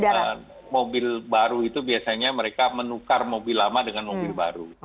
karena mobil baru itu biasanya mereka menukar mobil lama dengan mobil baru